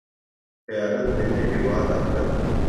قیادت ملنے کے بعد اب تک